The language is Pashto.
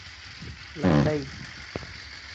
لنډۍ